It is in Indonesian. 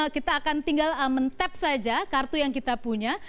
kita akan tinggal men tap saja kartu yang kita punya